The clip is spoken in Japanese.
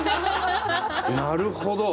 なるほど！